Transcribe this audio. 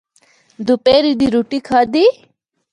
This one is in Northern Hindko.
دوپہری دی رُٹّی کھادی۔